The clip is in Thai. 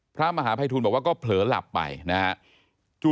พระมหาภัยทูลบอกว่าก็เผลอหลับไปนะฮะ